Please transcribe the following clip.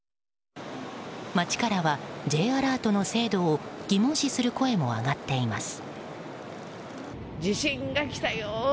街からはＪアラートの精度を疑問視する声も上がっています。